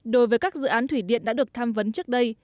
đối với các dự án thủy điện đã được tham vấn trước đây